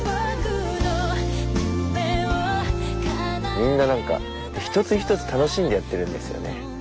みんな何か一つ一つ楽しんでやってるんですよね。